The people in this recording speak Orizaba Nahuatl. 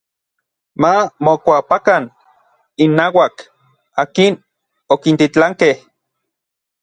Ma mokuapakan innauak akin okintitlankej.